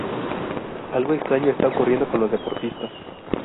Algo extraño está ocurriendo con los deportistas.